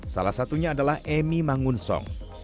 salah satunya adalah emi mangun song